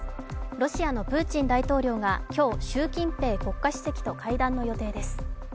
ロシアのプーチン大統領が今日習近平国家主席と会談の予定です。